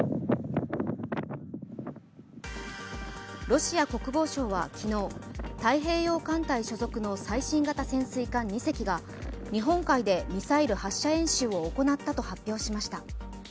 ロシア国防省は昨日、太平洋艦隊所属の最新型潜水艦２隻が日本海でミサイル発射演習を行ったと発表しました。